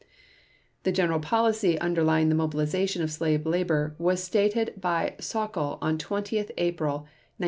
The general policy underlying the mobilization of slave labor was stated by Sauckel on 20 April 1942.